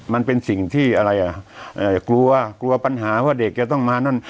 มันเป็นสิ่งที่อะไรอ่ะกลัวกลัวปัญหาว่าเด็กจะต้องมานั่น